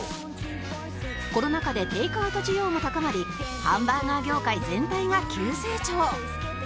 コロナ禍でテイクアウト需要も高まりハンバーガー業界全体が急成長